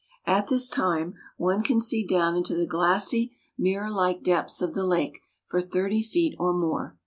At this time one can see down into the glassy, mirror like depths of the lake for thirty feet or more.